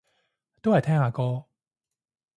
都係聽下歌